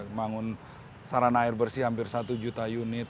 membangun sarana air bersih hampir satu juta unit